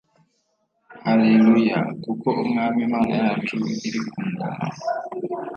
Haleluya! Kuko Umwami Imana yacu iri ku ngoma.